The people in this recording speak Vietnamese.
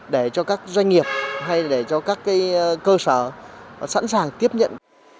để cho các doanh nghiệp hay để cho các cơ sở sẵn sàng tiếp nhận